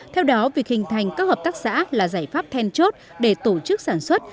theo đó việc hình thành các hợp tác xã là giải pháp then chốt để tổ chức sản xuất